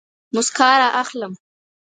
موسکا رااخلم